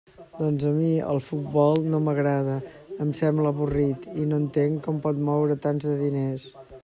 Doncs, a mi, el futbol no m'agrada; em sembla avorrit, i no entenc com pot moure tants de diners.